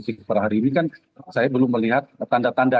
per hari ini kan saya belum melihat tanda tanda